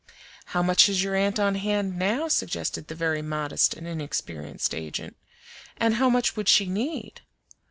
"How much has your aunt on hand now?" suggested the very modest and inexperienced agent; "and how much would she need?"